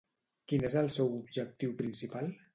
Quin és el seu objectiu principal?